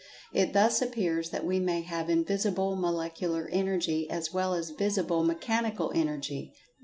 It thus appears that we may have invisible molecular energy as well as visible mechanical energy."